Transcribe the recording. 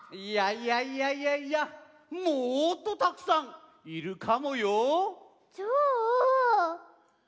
いやいやいやいやいやもっとたくさんいるかもよ。